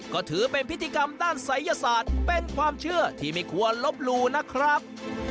ก็ถือเป็นพิธีกรรมด้านศัยศาสตร์เป็นความเชื่อที่ไม่ควรลบหลู่นะครับ